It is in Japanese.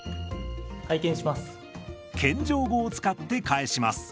謙譲語を使って返します。